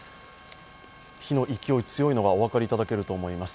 火の勢い、強いのがお分かりいただけると思います。